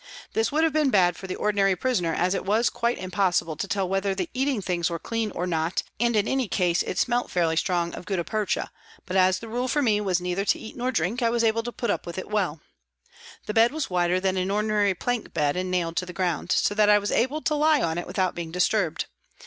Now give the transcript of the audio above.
This would have been bad for the ordinary prisoner, as it was quite impossible to tell whether the eating things were clean or not and, in any case, it smelt fairly strong of guttapercha ; but as the rule for me was neither to eat nor drink, I was able to put up with it well. The bed was wider than an ordinary plank bed and nailed to the ground, so that I was able to lie on it without being disturbed.